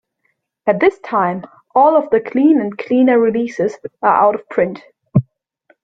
At this time, all of the Cleen and Cleaner releases are out of print.